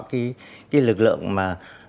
cái lực lượng mà